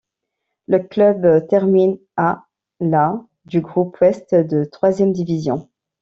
Le club termine à la du groupe Ouest de troisième division.